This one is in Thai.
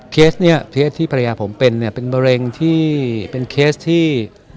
เคสเนี่ยเคสที่ภรรยาผมเป็นเนี่ยเป็นมะเร็งที่เป็นเคสที่